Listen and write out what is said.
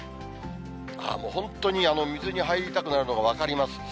もう本当に、水に入りたくなるのが分かります。